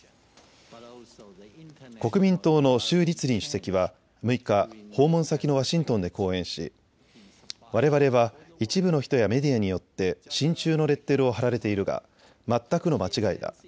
国民党の朱立倫主席は６日、訪問先のワシントンで講演しわれわれは一部の人やメディアによって親中のレッテルを貼られているが全くの間違いだ。